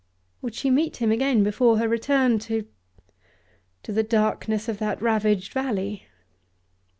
Would she meet him again before her return to to the darkness of that ravaged valley?